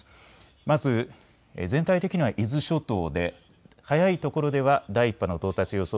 まず全体的には伊豆諸島で早いところでは第１波の到達予想